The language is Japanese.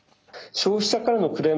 消費者のクレーム。